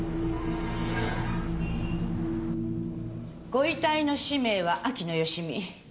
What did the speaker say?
ご遺体の氏名は秋野芳美。